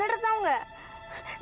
guaran amar si oh tuhan